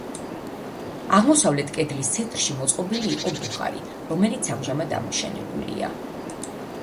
აღმოსავლეთ კედლის ცენტრში მოწყობილი იყო ბუხარი, რომელიც ამჟამად ამოშენებულია.